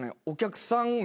お客さん